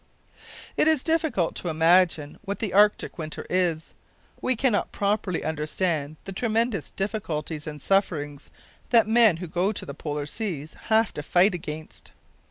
It is difficult to imagine what the Arctic winter is. We cannot properly understand the tremendous difficulties and sufferings that men who go to the Polar seas have to fight against.